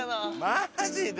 マジで！？